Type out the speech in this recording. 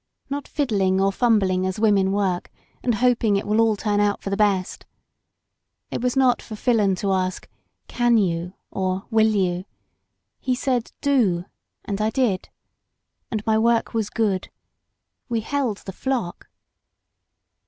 Not fiddling or fumbling as women work, and hoping it will all turn out for the best. It was not for Filon to ask. Can you, or Will you. He said, Do, and I did. And my work was good. We held the flock.